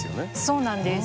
そうなんです。